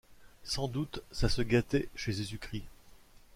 Sans doute, ça se gâtait, chez Jésus-Christ.